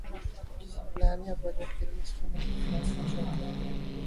کسی پلان یا پراجیکٹ کے لئے اس کی منظوری لازمی شرط ہے۔